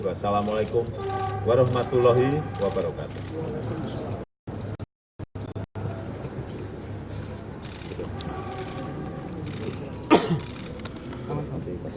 wassalamu'alaikum warahmatullahi wabarakatuh